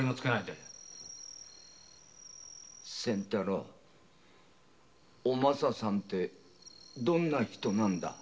仙太郎お政さんてどんな人なんだ？